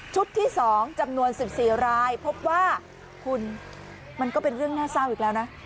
ที่๒จำนวน๑๔รายพบว่าคุณมันก็เป็นเรื่องน่าเศร้าอีกแล้วนะ